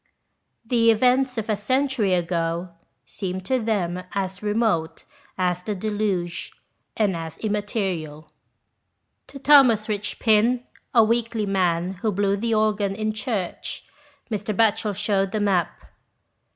The events of a century ago seem to them as remote as the Deluge, and as im material. To Thomas Richpin, a weakly man who blew the organ in church, Mr. Batchel shewed the map.